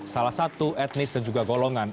salah satu etnis dan juga golongan